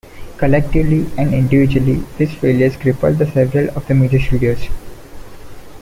Collectively and individually these failures crippled several of the major studios.